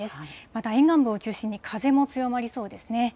また沿岸部を中心に風も強まりそうですね。